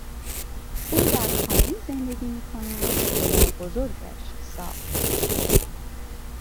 او در خانهای زندگی میکند که پدر بزرگش ساخت.